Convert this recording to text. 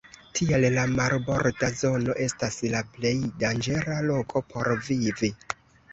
Tial la marborda zono estas la plej danĝera loko por vivi.